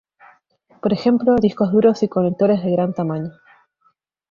Por ejemplo, discos duros y conectores de gran tamaño.